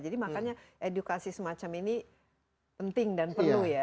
jadi makanya edukasi semacam ini penting dan perlu ya